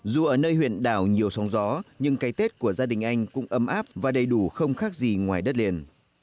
dù ở nơi huyện đảo nhiều sóng gió nhưng cái tết của gia đình anh cũng ấm áp và đầy đủ không khác gì ngoài đất liền